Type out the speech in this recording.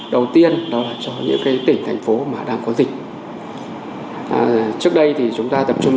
đầu tiên đó là cho những cái tỉnh thành phố mà đang có dịch trước đây thì chúng ta tập trung